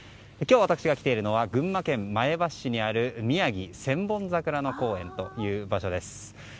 今日私が来ているのは群馬県前橋市にあるみやぎ千本桜の森公園という場所です。